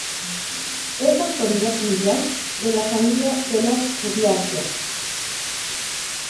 Es autoridad mundial de la familia de las rubiáceas.